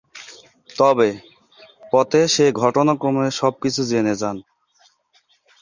তবে, পথে সে ঘটনাক্রমে সবকিছু জেনে যান।